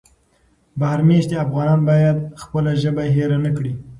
بهر مېشتي افغانان باید خپله ژبه هېره نه کړي.